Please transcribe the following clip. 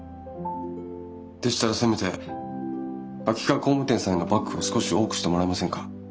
でしたらせめて秋川工務店さんへのバックを少し多くしてもらえませんか？